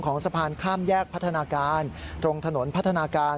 สะพานข้ามแยกพัฒนาการตรงถนนพัฒนาการ